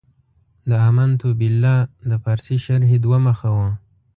د امنت بالله د پارسي شرحې دوه مخه و.